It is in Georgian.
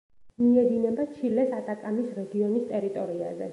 მიედინება ჩილეს ატაკამის რეგიონის ტერიტორიაზე.